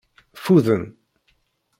Ffuden.